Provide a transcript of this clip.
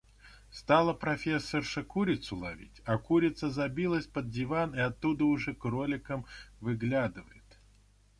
Стала профессорша курицу ловить, а курица забилась под диван и оттуда уже кроликом выглядывает.